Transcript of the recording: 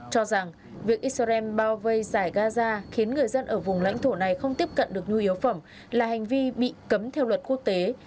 cho rằng việc israel bao vây giải gaza khiến người dân ở vùng lãnh thổ này không tiếp cận được nhu yếu phẩm là hành vi bị cấm theo luật quốc tế